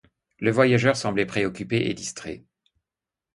Le voyageur semblait préoccupé et distrait.